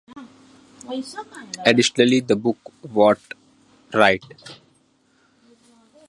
Additionally, the book What right?